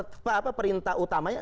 gak ada perintah utamanya